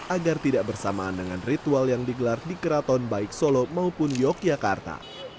agar tidak bersamaan dengan ritual yang digelar di keraton baik solo maupun yogyakarta